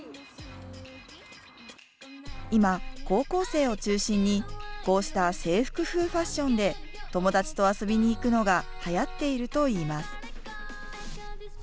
今、高校生を中心に、こうした制服風ファッションで、友達と遊びに行くのがはやっているといいます。